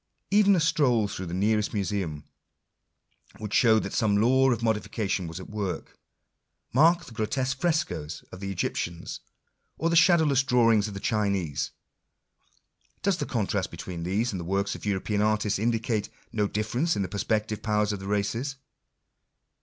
Even a stroll through the nearest museum would show that some law of modification was at work. Mark the grotesque frescos of the Egyptians, or the shadowless drawings of the Chinese. Does the contrast between these and the works of European artists indicate no difference in the perceptive powers of the races